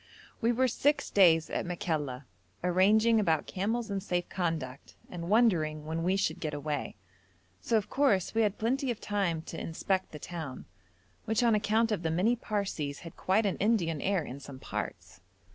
We were six days at Makalla arranging about camels and safe conduct, and wondering when we should get away; so of course we had plenty of time to inspect the town, which on account of the many Parsees had quite an Indian air in some parts.